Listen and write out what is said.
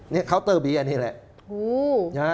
นี่เคาน์เตอร์เบียร์นี่แหละ